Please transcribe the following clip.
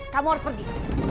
kamu harus pergi